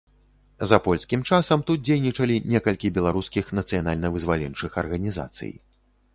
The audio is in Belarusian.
За польскім часам тут дзейнічалі некалькі беларускіх нацыянальна-вызваленчых арганізацый.